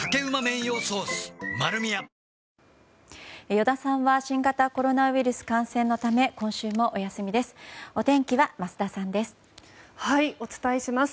依田さんは新型コロナウイルス感染のため今週もお休みです。